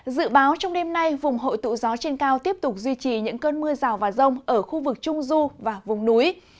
dự báo trong đêm nay vùng hội tụ gió trên cao tiếp tục duy trì những cơn mưa rào và rông ở khu vực trung du và vùng núi